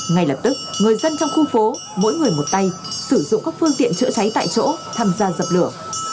ngay lập tức người dân trong khu phố mỗi người một tay sử dụng các phương tiện chữa cháy tại chỗ tham gia dập lửa